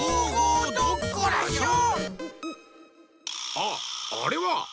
あっあれは！